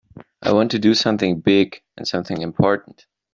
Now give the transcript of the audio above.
I want to do something big and something important.